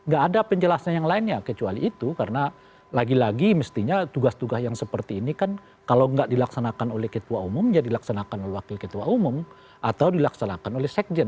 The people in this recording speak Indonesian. gak ada penjelasan yang lainnya kecuali itu karena lagi lagi mestinya tugas tugas yang seperti ini kan kalau nggak dilaksanakan oleh ketua umum ya dilaksanakan oleh wakil ketua umum atau dilaksanakan oleh sekjen